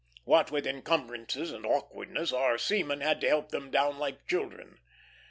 What with encumbrances and awkwardness, our seamen had to help them down like children.